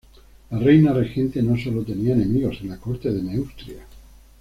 La reina regente no solo tenía enemigos en la corte de Neustria.